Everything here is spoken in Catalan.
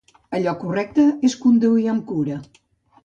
Allò correcte és conduir amb cura.